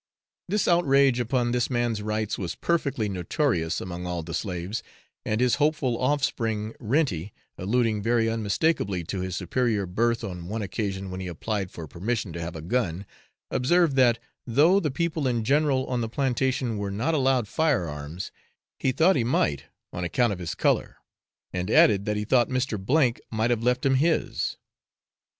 This outrage upon this man's rights was perfectly notorious among all the slaves; and his hopeful offspring, Renty, alluding very unmistakably to his superior birth on one occasion when he applied for permission to have a gun, observed that, though the people in general on the plantation were not allowed firearms, he thought he might, on account of his colour, and added that he thought Mr. K might have left him his.